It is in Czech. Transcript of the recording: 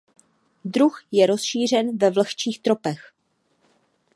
Druh je rozšířen ve vlhčích tropech.